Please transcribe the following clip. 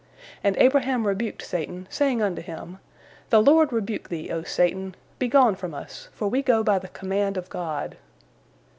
And Abraham rebuked Satan, saying unto him: "The Lord rebuke thee, O Satan. Begone from us, for we go by the command of God."